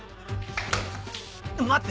待って！